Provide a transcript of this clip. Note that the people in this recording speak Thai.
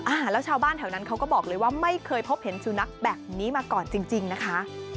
อ่าแล้วชาวบ้านแถวนั้นเขาก็บอกเลยว่าไม่เคยพบเห็นสุนัขแบบนี้มาก่อนจริงจริงนะคะ